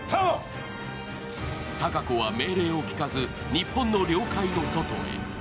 隆子は命令を聞かず、日本の領海の外へ。